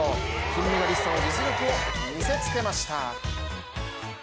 金メダリストの実力を見せつけました。